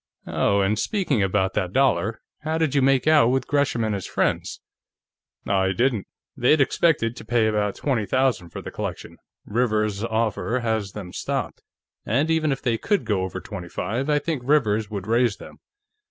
Oh, and speaking about that dollar; how did you make out with Gresham and his friends?" "I didn't. They'd expected to pay about twenty thousand for the collection; Rivers's offer has them stopped. And even if they could go over twenty five, I think Rivers would raise them.